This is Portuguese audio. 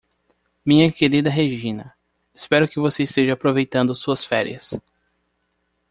Minha querida Regina, espero que você esteja aproveitando suas férias.